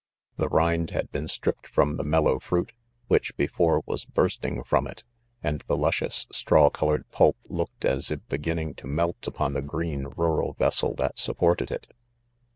( 13 ) The rind had ' been stript from the mellow fruit, which before was bursting from it ; and the luscious straw colored pulp looked as if beginning to melt upon the green rural vessel that supported it.